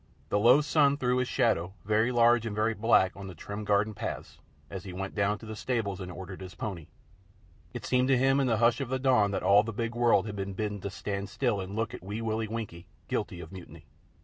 The low sun threw his shadow, very large and very black, on the trim garden paths, as he went down to the stables and ordered his pony. It seemed to him in the hush of the dawn that all the big world had been bidden to stand still and look at Wee Willie Winkie guilty of mutiny.